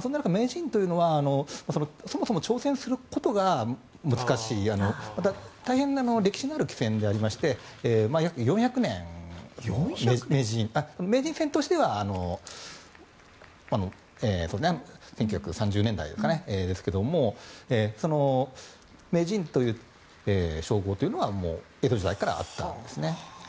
そんな中、名人というのはそもそも挑戦することが難しい大変、歴史のある棋戦でありまして約４００年、名人戦としては１９３０年代ですけれど名人という称号というのは江戸時代からあったんですね。